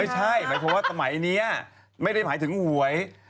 ไม่ใช่เพราะว่าเมื่อภายนี้ไม่ได้หายถึงหวย